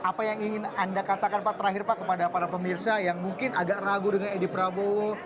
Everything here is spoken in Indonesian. apa yang ingin anda katakan pak terakhir pak kepada para pemirsa yang mungkin agak ragu dengan edi prabowo